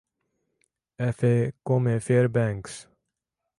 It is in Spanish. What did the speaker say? F comme Fairbanks